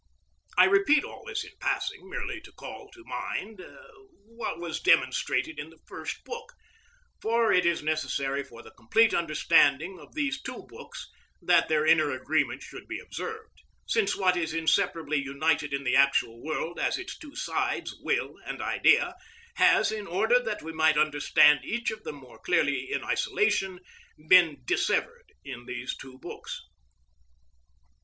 I repeat all this in passing, merely to call to mind what was demonstrated in the First Book, for it is necessary for the complete understanding of these two books that their inner agreement should be observed, since what is inseparably united in the actual world as its two sides, will and idea, has, in order that we might understand each of them more clearly in isolation, been dissevered in these two books.